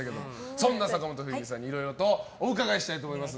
そんな坂本冬美さんにいろいろとお伺いしたいと思います。